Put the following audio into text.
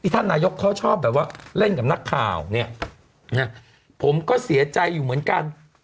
ท่านนายกเขาชอบแบบว่าเล่นกับนักข่าวเนี่ยนะผมก็เสียใจอยู่เหมือนกัน